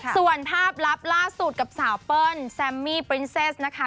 ส่วนภาพลับล่าสุดกับสาวเปิ้ลแซมมี่ปรินเซสนะคะ